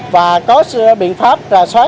và có biện pháp ra soát